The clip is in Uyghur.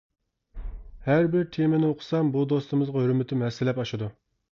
ھەربىر تېمىنى ئوقۇسام بۇ دوستىمىزغا ھۆرمىتىم ھەسسىلەپ ئاشىدۇ.